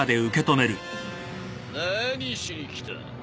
何しに来た？